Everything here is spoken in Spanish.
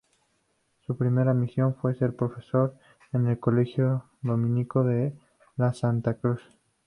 Su primera misión fue ser profesor en el colegio dominico de la Santa Cruz.